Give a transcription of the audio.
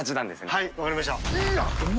はい分かりました。